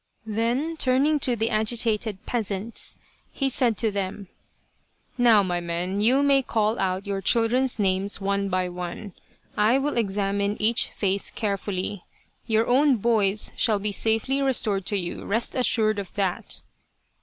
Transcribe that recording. " Then, turning to the agitated peasants, he said to them, " Now, my men, you may call out your children's * Kago, a palanquin. 203 Loyal, Even Unto Death names one by one. I will examine each face carefully. Your own boys shall be safely restored to you, rest assured of that